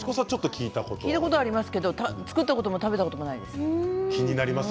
聞いたことはありますけど作ったことも食べたこともありません。